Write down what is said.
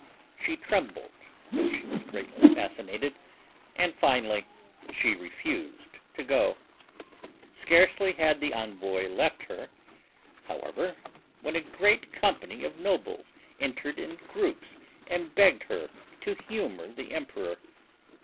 She trembled, though she was greatly fascinated; and finally she refused to go. Scarcely had the envoy left her, however, when a great company of nobles entered in groups and begged her to humor the emperor.